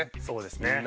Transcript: そうですね。